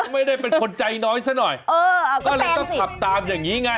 ไม่ได้เป็นคนใจน้อยซะหน่อย